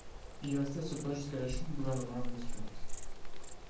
Il est resté à ce poste jusqu'à la chute du gouvernement l'année suivante.